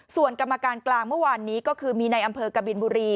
ส่วนกรรมการกลางเมื่อวานนี้ก็คือมีในอำเภอกบินบุรี